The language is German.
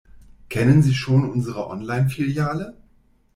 Kennen Sie schon unsere Online-Filiale?